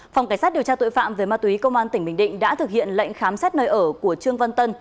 phòng cảnh sát điều tra tội phạm về ma túy công an tỉnh bình định đã thực hiện lệnh khám xét nơi ở của trương văn tân